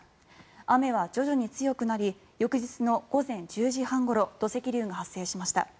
雨は徐々に強くなり翌日の午前１０時半ごろ土石流が発生しました。